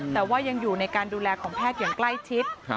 แต่ว่ายังอยู่ในการดูแลของแพทย์อย่างใกล้ชิด